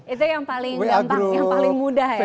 itu yang paling mudah ya